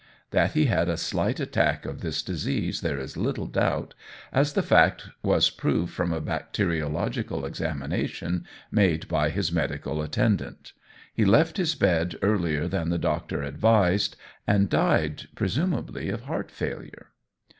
That he had a slight attack of this disease there is little doubt, as the fact was proved from a bacteriological examination made by his medical attendant. He left his bed earlier than the doctor advised, and died presumably of heart failure.